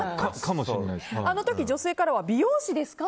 あの時、女性からは美容師ですか？